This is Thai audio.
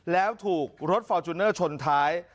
แล้วถูกรถฟอร์จูเนอร์ชนท้าย